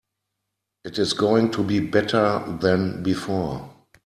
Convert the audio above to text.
It is going to be better than before.